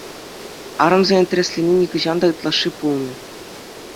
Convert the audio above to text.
Арӑмсене тӗрӗслени нихӑҫан та ытлашши пулмӗ.